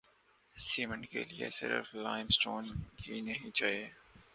Cement کیلئے صرف limestone ہی نہیں چاہیے۔